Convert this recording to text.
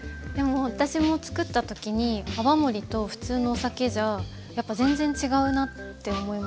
私も作った時に泡盛と普通のお酒じゃやっぱ全然違うなって思いました。